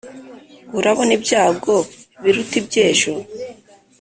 Urabona ibyago biruta iby'ejo.